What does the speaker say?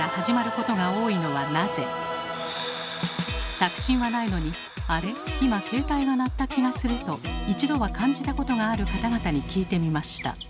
着信はないのに「あれ？今携帯が鳴った気がする」と一度は感じたことがある方々に聞いてみました。